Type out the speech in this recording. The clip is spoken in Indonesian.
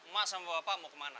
mak sama bapak mau kemana